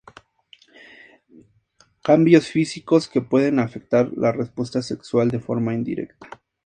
Cambios físicos que pueden afectar la respuesta sexual de forma indirecta.